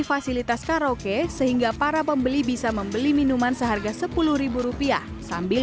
fasilitas karaoke sehingga para pembeli bisa membeli minuman seharga sepuluh rupiah sambil